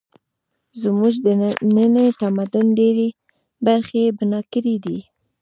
زموږ د ننني تمدن ډېرې برخې یې بنا کړې دي